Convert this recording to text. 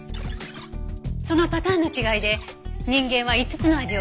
そのパターンの違いで人間は５つの味を区別する。